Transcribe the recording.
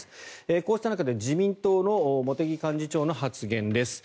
こうした中で自民党の茂木幹事長の発言です。